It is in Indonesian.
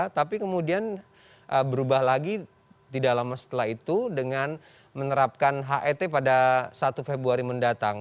tapi kemudian berubah lagi tidak lama setelah itu dengan menerapkan het pada satu februari mendatang